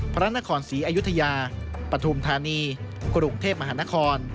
พระนครศรีอยุธยาปฐุมธานีกรุงเทพมหานคร